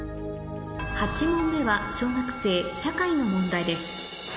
８問目は小学生社会の問題です